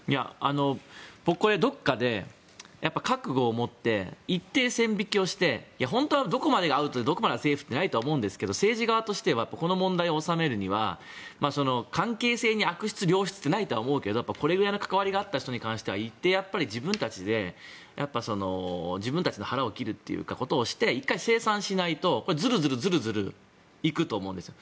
僕、これどこかで覚悟を持って一定、線引きをして本当はどこまでがアウトでどこまでがセーフってないとは思うんですが政治側としてはこの問題を収めるには関係性に悪質、良質ってないと思うけどこれぐらいの関わりがあった人には一定、自分たちで自分たちの腹を切るっていうことをして１回清算しないとズルズル行くと思うんですよ。